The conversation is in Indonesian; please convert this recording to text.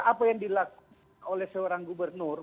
apa yang dilakukan oleh seorang gubernur